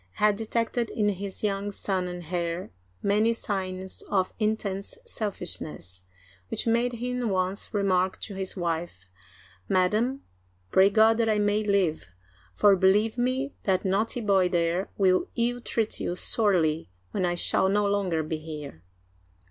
had detected in His young son and heir many signs of intense selfishness, which made him once remark to his wife :" Madam, pray God that I may live, for, believe me, that naughty boy there will ill treat you sorely when I shall no longer be here."